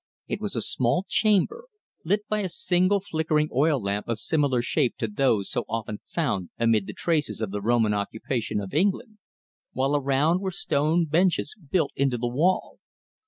It was a small chamber, lit by a single flickering oil lamp of similar shape to those so often found amid the traces of the Roman occupation of England, while around were stone benches built into the wall.